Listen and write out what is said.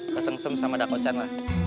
kesem sem sama dako chan lah